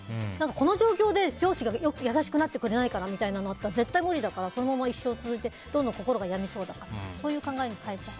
この状況で上司が優しくなってくれないかななんて絶対無理だからそのまま一生続いてどんどん心が病みそうだからそういう考えに変えちゃう。